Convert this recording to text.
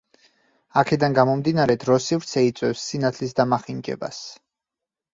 აქედან გამომდინარე, დრო-სივრცე იწვევს სინათლის დამახინჯებას.